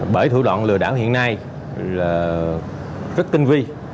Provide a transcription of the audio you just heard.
bởi thủ đoạn lừa đảo hiện nay là rất tinh vi